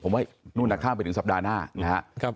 ผมว่านู่นข้ามไปถึงสัปดาห์หน้านะครับ